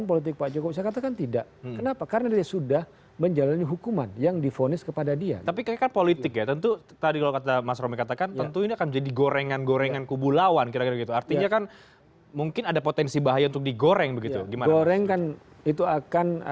pak btp bahagia kami bahagia